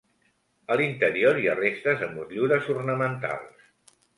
A l'interior hi ha restes de motllures ornamentals.